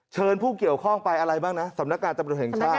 เชิญผู้เกี่ยวข้องไปอะไรบ้างนะสำนักการตำรวจแห่งชาติ